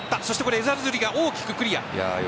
エザルズリが大きくクリア。